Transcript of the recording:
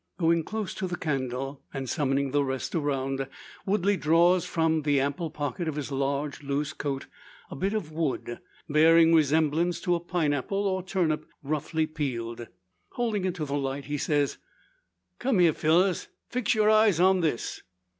Going close to the candle, and summoning the rest around, Woodley draws from the ample pocket of his large, loose coat a bit of wood, bearing resemblance to a pine apple, or turnip roughly peeled. Holding it to the light, he says: "Come hyar, fellurs! fix yar eyes on this."